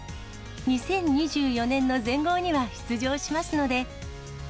２０２４年の全豪には出場しますので。